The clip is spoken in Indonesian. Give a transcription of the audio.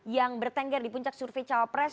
yang bertengger di puncak survei cawapres